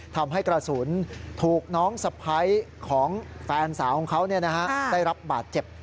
ทำให้กระสุนถูกน้องสะพ้ายของแฟนสาวของเขาได้รับบาดเจ็บ